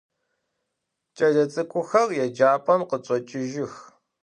Ç'elets'ık'uxer yêcap'em khıçç'eç'ıjıx.